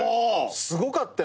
すごかったよ